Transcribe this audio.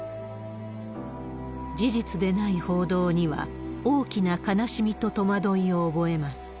事実でない報道には、大きな悲しみと戸惑いを覚えます。